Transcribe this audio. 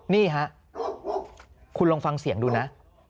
นี่ฮะคุณลองฟังเสียงดูนะ